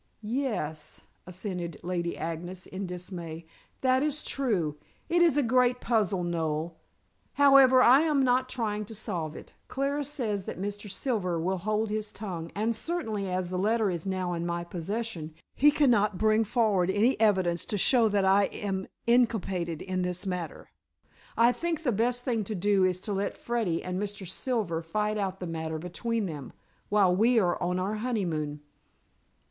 "Yes," assented Lady Agnes, in dismay. "That is true. It is a great puzzle, Noel. However, I am not trying to solve it. Clara says that Mr. Silver will hold his tongue, and certainly as the letter is now in my possession he cannot bring forward any evidence to show that I am inculpated in the matter. I think the best thing to do is to let Freddy and Mr. Silver fight out the matter between them, while we are on our honeymoon."